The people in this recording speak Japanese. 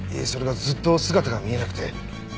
それがずっと姿が見えなくて。